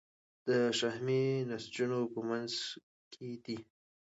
د شحمي نسجونو په منځ کې دي.